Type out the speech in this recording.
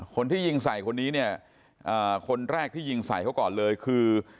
คนที่ยิงใส่คนนี้เนี่ยคนแรกที่ยิงใส่เขาก่อนเลยคือ